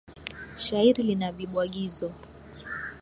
Shairi lina vibwagizo.